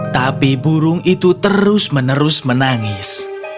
tapi burung itu terus menerus menangis